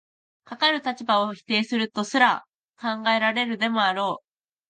かかる立場を否定するとすら考えられるでもあろう。